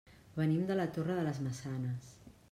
Venim de la Torre de les Maçanes.